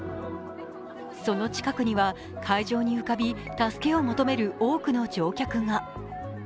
その近くには海上に浮かび、助けを求める多くの乗客が。